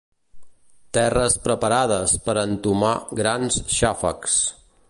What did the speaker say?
Terres preparades per a entomar grans xàfecs.